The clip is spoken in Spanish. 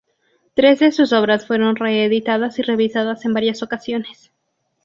Tres de sus obras fueron reeditadas y revisadas en varias ocasiones.